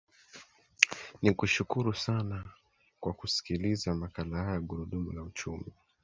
nikushukuru sana kwa kusikiliza makala haya ya gurundumu la uchumi